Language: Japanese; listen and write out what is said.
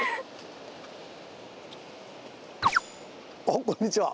あっこんにちは。